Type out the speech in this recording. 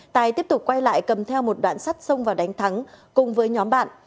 tài tiếp tục quay lại cầm theo một đoạn sắt sông và đánh thắng cùng với nhóm bạn